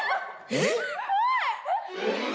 えっ？